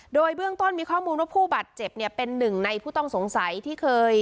โดยเบื้องต้นมีข้อมูลว่าผู้บาดเจ็บเนี่ยเป็นหนึ่งในผู้ต้องสงสัยที่เคย